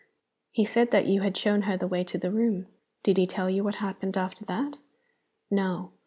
"He said that you had shown her the way to the room." "Did he tell you what happened after that?" "No."